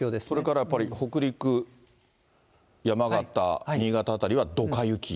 それからやっぱり北陸、山形、新潟辺りはどか雪。